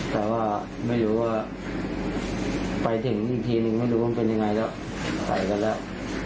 แต่ว่าไม่รู้ว่าไปถึงอีกทีนึงไม่รู้ว่ามันเป็นยังไงแล้วไปกันแล้ว